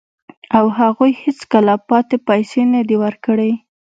او هغوی هیڅکله پاتې پیسې نه دي ورکړي